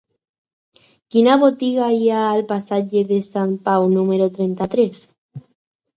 Quina botiga hi ha al passatge de Sant Pau número trenta-tres?